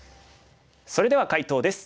それでは解答です。